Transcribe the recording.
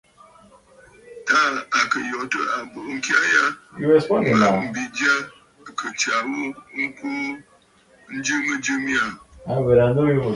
Taà à kɨ̀ yòtə̂ àbùʼu ŋkya ya mə mbi jyâ kɨ̀ tsya ghu ŋkuu njɨ mɨjɨ mya aà.